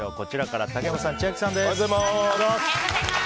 竹山さん、千秋さんです。